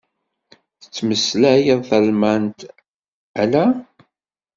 Tettmeslayeḍ talmant? Ala.